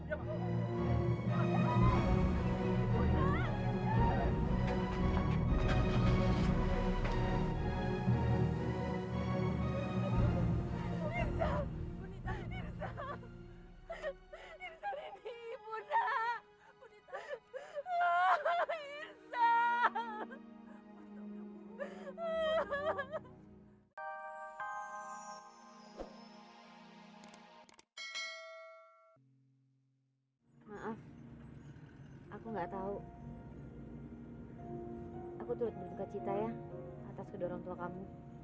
oh iya mas siapapun juga itu orang tua kamu